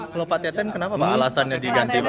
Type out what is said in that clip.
kalau pak teten kenapa pak alasannya diganti pak